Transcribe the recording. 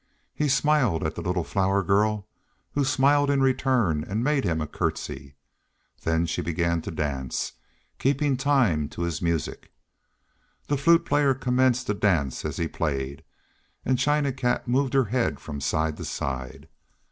He smiled at the little Flower Girl, who smiled in return and made him a curtsey. Then she began to dance, keeping time to his music. The Flute Player commenced to dance as he played, and China Cat moved her head from side to side.